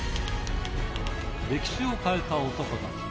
歴史を変えた男たち。